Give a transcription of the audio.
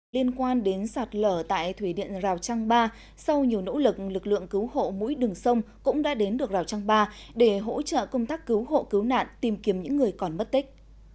liên quan đến sạt lở tại thủy điện rào trăng ba sau nhiều nỗ lực lực lượng cứu hộ mũi đường sông cũng đã đến được rào trăng ba để hỗ trợ công tác cứu hộ cứu nạn tìm kiếm những người còn mất tích